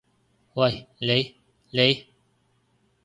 喂，你！你！